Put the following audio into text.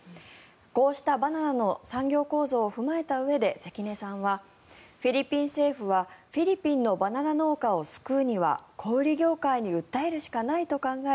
こうしたバナナの産業構造を踏まえたうえで関根さんはフィリピン政府はフィリピンのバナナ農家を救うには小売業界に訴えるしかないと考え